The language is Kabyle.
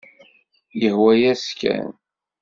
Yehwa-yas kan.